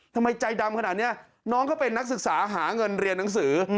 ทำไมใจดำขนาดนี้น้องเขาเป็นนักศึกษาหาเงินเรียนหนังสือ